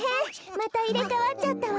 またいれかわっちゃったわ。